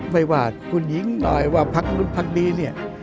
ไม่ว่าคุณหญิงหน่อยว่าพักนู้นพักนี้เนี่ย